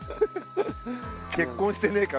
「結婚してねえか！？」